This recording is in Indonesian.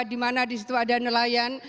di mana di situ ada nelayan